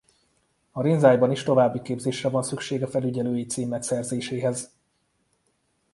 A rinzaiban is további képzésre van szükség a felügyelői cím megszerzéséhez.